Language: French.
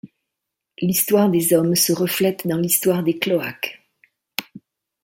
L’histoire des hommes se reflète dans l’histoire des cloaques.